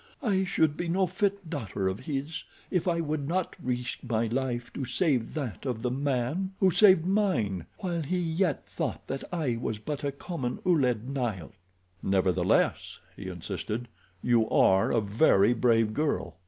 "I should be no fit daughter of his if I would not risk my life to save that of the man who saved mine while he yet thought that I was but a common Ouled Nail." "Nevertheless," he insisted, "you are a very brave girl.